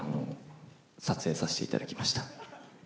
撮影させていただきました。